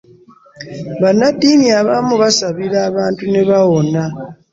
Banadini abamu basabira abantu nebawona.